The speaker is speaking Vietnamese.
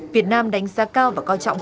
việt nam đánh giá cao và quan trọng